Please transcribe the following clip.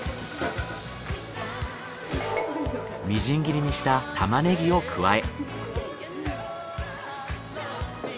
みじん切りにしたタマネギを加え。